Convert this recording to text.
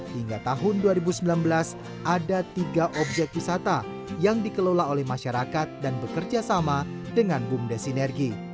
hingga tahun dua ribu sembilan belas ada tiga objek wisata yang dikelola oleh masyarakat dan bekerja sama dengan bumdes sinergi